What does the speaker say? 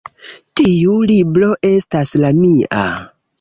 Tiu libro estas la mia